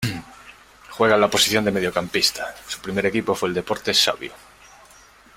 Juega en la posición de mediocampista, su primer equipo fue el Deportes Savio.